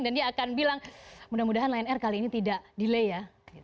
dan dia akan bilang mudah mudahan line r kali ini tidak delay ya